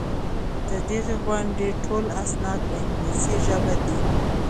د دغي غونډې ټول اسناد په انګلیسي ژبه دي.